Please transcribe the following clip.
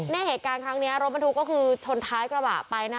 เหตุการณ์ครั้งนี้รถบรรทุกก็คือชนท้ายกระบะไปนะ